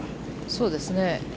そうですね。